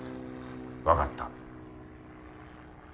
分かった。